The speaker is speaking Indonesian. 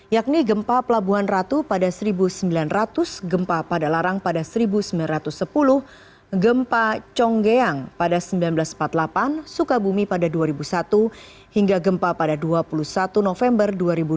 yakni gempa pelabuhan ratu pada seribu sembilan ratus gempa pada larang pada seribu sembilan ratus sepuluh gempa conggeang pada seribu sembilan ratus empat puluh delapan sukabumi pada dua ribu satu hingga gempa pada dua puluh satu november dua ribu dua puluh